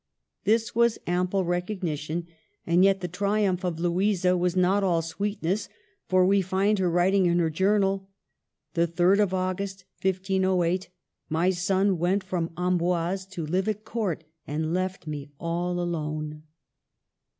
This was ample recognition ; and yet the triumph of Louisa was not all sweetness, for we find her writing in her journal :*' The 3d of August, 1508, my son went from Amboise to live at court, and left me all alone."